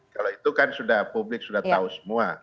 kalau itu kan sudah publik sudah tahu semua